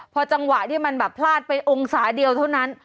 พอจังหวะที่มันแบบพลาดไปองศาเดียวเท่านั้น